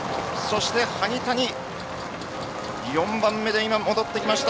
萩谷、４番目で戻ってきました。